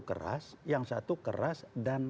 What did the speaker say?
keras yang satu keras dan